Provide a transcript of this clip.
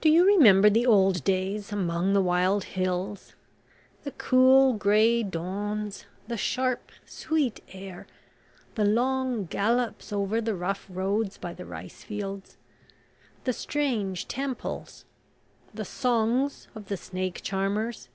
Do you remember the old days among the wild hills? The cool grey dawns... the sharp sweet air... the long gallops over the rough roads by the rice fields... the strange temples... the songs of the snake charmers?